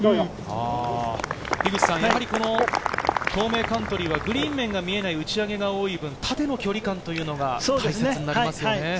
やはり東名カントリーは、グリーン面が見えない打ち上げが多い分、縦の距離感というのが大切になりますね。